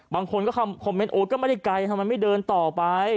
บางคนก็คำคอมเมนต์โอ๊ตก็ไม่ได้ไกลทำไมไม่เดินต่อไป